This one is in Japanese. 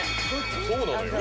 そうなのよ。